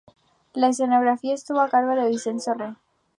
La escenografía estuvo a cargo de Vincenzo Re.